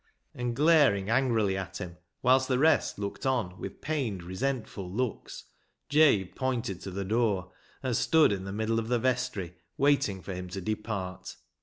And glaring angrily at him, whilst the rest looked on with pained, resentful looks, Jabe pointed to the door, and stood in the middle of the vestry, waiting for him to depart.